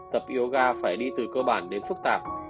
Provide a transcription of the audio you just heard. tập yoga phải đi từ cơ bản đến phức tạp